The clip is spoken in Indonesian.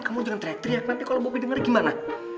kamu jangan teriak teriak nanti kalo bobi denger gimana